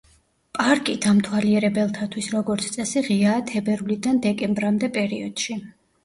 პარკი დამთვალიერებელთათვის, როგორც წესი, ღიაა თებერვლიდან დეკემბრამდე პერიოდში.